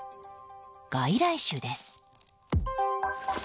外来種です。